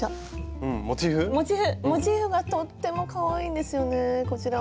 モチーフがとってもかわいいんですよねこちらも。